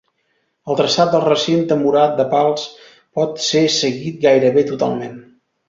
El traçat del recinte murat de Pals pot ser seguit gairebé totalment.